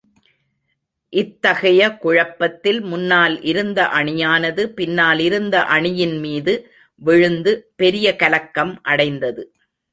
இத்தகைய குழப்பத்தில், முன்னால் இருந்த அணியானது, பின்னால் இருந்த அணியின் மீது விழுந்து, பெரிய கலக்கம் அடைந்தது.